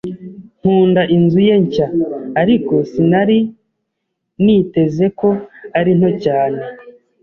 Nkunda inzu ye nshya, ariko sinari niteze ko ari nto cyane.